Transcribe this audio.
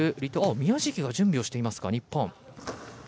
宮食が準備をしていますか日本。